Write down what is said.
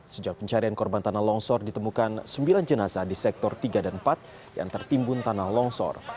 sejak pencarian korban tanah longsor ditemukan sembilan jenazah di sektor tiga dan empat yang tertimbun tanah longsor